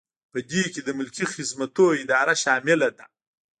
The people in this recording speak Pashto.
په دې کې د ملکي خدمتونو اداره شامله ده.